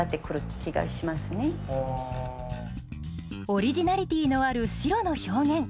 オリジナリティーのある白の表現。